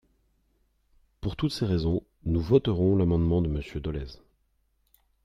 Pour toutes ces raisons, nous voterons l’amendement de Monsieur Dolez.